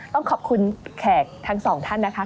ต้องขอบคุณแขกทั้งสองท่านนะคะ